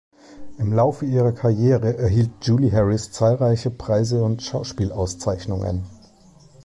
Im Laufe ihrer Karriere erhielt Julie Harris zahlreiche Preise und Schauspiel-Auszeichnungen.